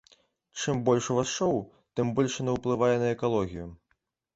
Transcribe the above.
Чым больш у вас шоу, тым больш яно ўплывае на экалогію.